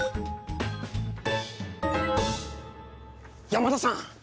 山田さん！